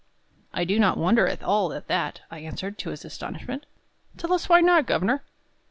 "I do not wonder at all at that," I answered, to his astonishment. "Tell us why not, governor."